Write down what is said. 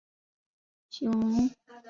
治所在永年县。